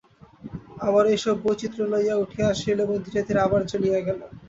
আবার এইসব বৈচিত্র্য লইয়া উঠিয়া আসিল, এবং ধীরে ধীরে আবার চলিয়া গেল।